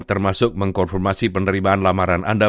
termasuk mengkonfirmasi penerimaan lamaran anda